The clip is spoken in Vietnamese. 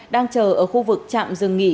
đang chờ ở khu vực chạm rừng nghỉ